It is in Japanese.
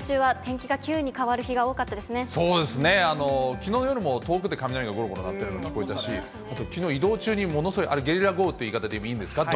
きのう夜も遠くで雷がごろごろ鳴っているのが聞こえたし、きのう移動中にものすごい、あれゲリラ豪雨って言い方でいいんですか？